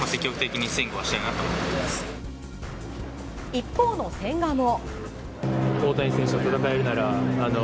一方の千賀も。